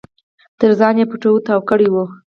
تر ځان يې پټو تاو کړی و.